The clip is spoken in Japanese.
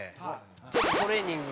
ちょっとトレーニング